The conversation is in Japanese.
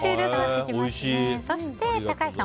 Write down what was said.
そして、高橋さん